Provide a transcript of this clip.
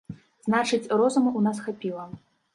Значыць, розуму ў нас хапіла.